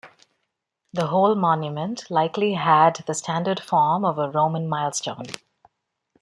The whole monument likely had the standard form of a Roman milestone.